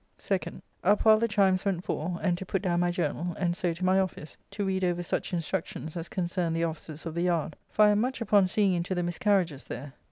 2nd. Up while the chimes went four, and to put down my journal, and so to my office, to read over such instructions as concern the officers of the Yard; for I am much upon seeing into the miscarriages there.